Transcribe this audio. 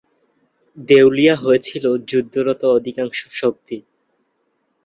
দেউলিয়া হয়েছিল যুদ্ধরত অধিকাংশ শক্তি।